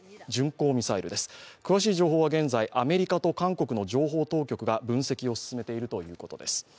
詳しい情報は現在アメリカと韓国の情報当局が分析を進めているということです。